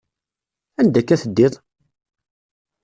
Anda akka teddiḍ?